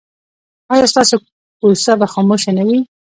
ایا ستاسو کوڅه به خاموشه نه وي؟